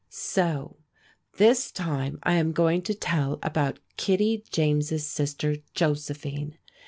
So this time I am going to tell about Kittie James's sister Josephine.